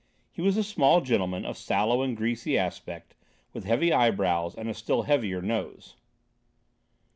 He was a small gentleman, of sallow and greasy aspect, with heavy eyebrows and a still heavier nose.